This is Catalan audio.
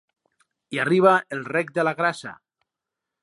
Hi arriba el Rec de la Grassa.